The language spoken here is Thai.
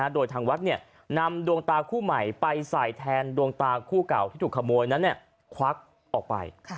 โดยทางวัดนำดวงตาคู่ใหม่ไปใส่แทนดวงตาคู่เก่าที่ถูกขโมยนั้นควักออกไป